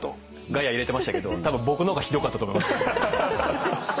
ガヤ入れてましたけどたぶん僕の方がひどかったと完全に。